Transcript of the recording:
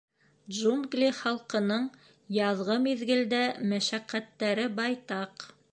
Джунгли Халҡының яҙғы миҙгелдә мәшәҡәттәре байтаҡ.